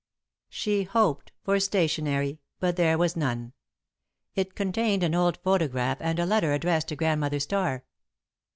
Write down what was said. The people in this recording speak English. She hoped for stationery, but there was none. It contained an old photograph and a letter addressed to Grandmother Starr.